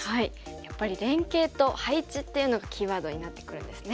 やっぱり「連携」と「配置」っていうのがキーワードになってくるんですね。